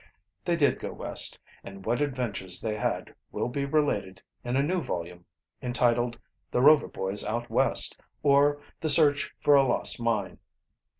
They did go west, and what adventures they had will be related in a new volume, entitled "The Rover Boys Out West; or, The Search for a Lost Mine."